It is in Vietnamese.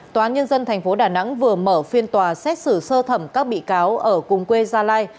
tòa án nhân dân tp đà nẵng vừa mở phiên tòa xét xử sơ thẩm các bị cáo ở cùng quê gia lai